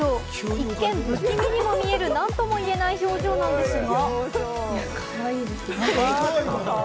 一見、不気味にも見える、何とも言えない表情なんですが。